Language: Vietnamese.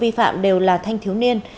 vi phạm đều là thanh thiếu niên